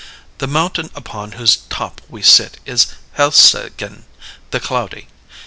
The mountain upon whose top we sit is Helseggen, the Cloudy.